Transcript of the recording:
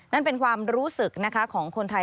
นั่นเป็นความรู้สึกนะคะของคนไทย